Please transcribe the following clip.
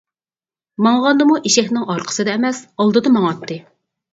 ماڭغاندىمۇ ئېشەكنىڭ ئارقىسىدا ئەمەس ئالدىدا ماڭاتتى.